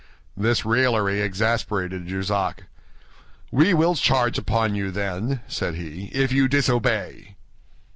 This raillery exasperated Jussac. "We will charge upon you, then," said he, "if you disobey."